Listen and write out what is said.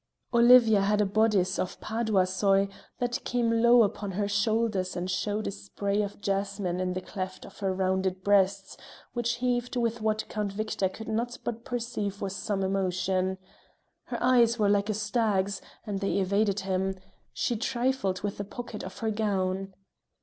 Olivia had a bodice of paduasoy that came low upon her shoulders and showed a spray of jasmine in the cleft of her rounded breasts, which heaved with what Count Victor could not but perceive was some emotion. Her eyes were like a stag's, and they evaded him; she trifled with the pocket of her gown.